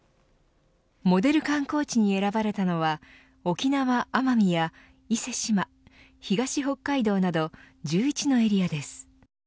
モデル観光地に選ばれたのは沖縄・奄美や伊勢志摩、東北海道など１１のエリアです。